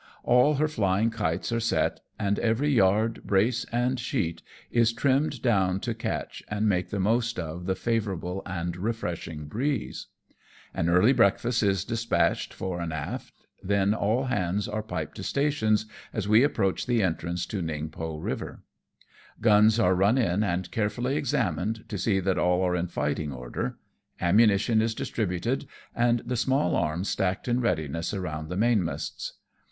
All her flying kites are set, and every yard, brace and sheet, is trimmed down to catch, and make the most of, the favourable and refreshing breeze. An early breakfast is dispatched fore and aft, then all hands are piped to stations, as we approach the entrance to Ningpo River. Guns are run in and carefully examined to see that all are in fighting order. Ammunition is distributed, and the small arms stacked in readiness around the mainmasts.